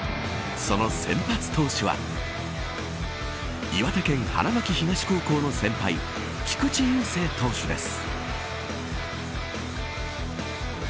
その先発投手は岩手県花巻東高校の先輩菊池雄星投手です。